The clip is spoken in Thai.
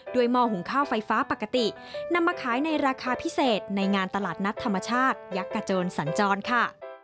หม้อหุงข้าวไฟฟ้าปกตินำมาขายในราคาพิเศษในงานตลาดนัดธรรมชาติยักษ์กระโจนสัญจรค่ะ